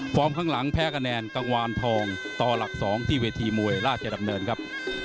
ข้างหลังแพ้คะแนนกังวานทองต่อหลัก๒ที่เวทีมวยราชดำเนินครับ